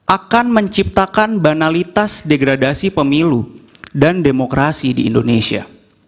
akan menciptakan banalitas degradasi pemilu dan demokrasi di indonesia